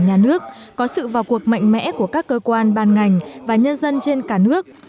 nhà nước có sự vào cuộc mạnh mẽ của các cơ quan ban ngành và nhân dân trên cả nước